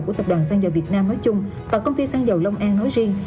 của tập đoàn xăng dầu việt nam nói chung và công ty xăng dầu long an nói riêng